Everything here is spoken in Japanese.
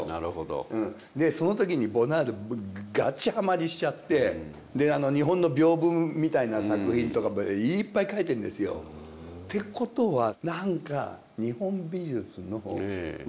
でその時にボナールガチハマりしちゃって日本のびょうぶみたいな作品とかもいっぱい描いてるんですよ。ってことは何か日本美術の浮世絵とか。